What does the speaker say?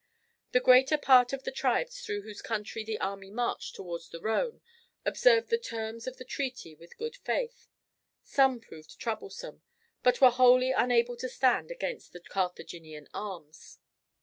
The greater part of the tribes through whose country the army marched towards the Rhone observed the terms of the treaty with good faith; some proved troublesome, but were wholly unable to stand against the Carthaginian arms.